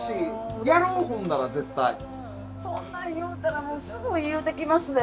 そんなん言うたらすぐ言うてきますで。